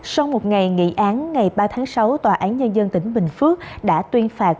sau một ngày nghị án ngày ba tháng sáu tòa án nhân dân tỉnh bình phước đã tuyên phạt